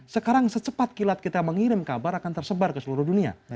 sekarang secepat kilat kita mengirim kabar akan tersebar ke seluruh dunia